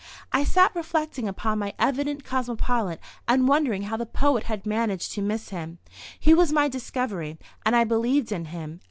I sat reflecting upon my evident cosmopolite and wondering how the poet had managed to miss him. He was my discovery and I believed in him.